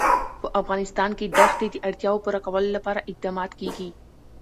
په افغانستان کې د ښتې د اړتیاوو پوره کولو لپاره اقدامات کېږي.